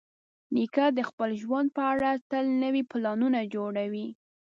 نیکه د خپل ژوند په اړه تل نوي پلانونه جوړوي.